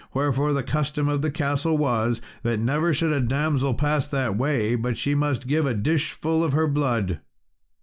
Wherefore the custom of the castle was, that never should a damsel pass that way but she must give a dish full of her blood.